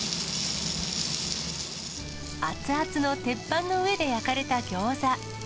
熱々の鉄板の上で焼かれたギョーザ。